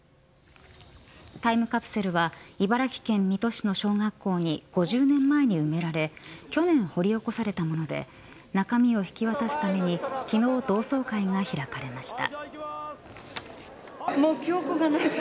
タイムカプセルは茨城県水戸市の小学校に５０年前に埋められ去年掘り起こされたもので中身を引き渡すために昨日、同窓会が開かれました。